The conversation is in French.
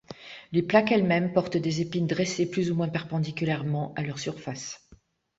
Les plaques elles-mêmes portent des épines dressées plus ou moins perpendiculairement à leur surface.